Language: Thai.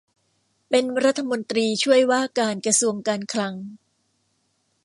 เป็นรัฐมนตรีช่วยว่าการกระทรวงการคลัง